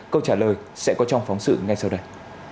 câu trả lời sẽ có trong phóng sự ngay sau đây